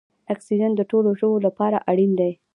اکسیجن د ټولو ژویو لپاره اړین دی